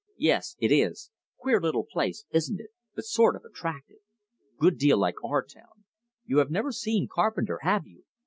Yes, it is. Queer little place, isn't it? but sort of attractive. Good deal like our town. You have never seen Carpenter, have you?